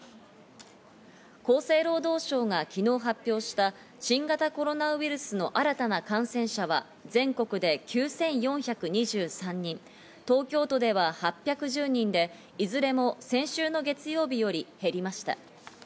厚生労働省が昨日発表した新型コロナウイルスの新たな感染者は、全国で９４２３人、東京都では８１０人で、いずれも先週の月曜日より減りました。